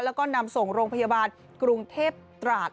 แล้วก็นำส่งโรงพยาบาลกรุงเทพตราด